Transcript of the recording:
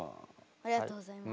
ありがとうございます。